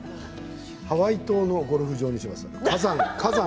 ハワイ島のゴルフ場にします。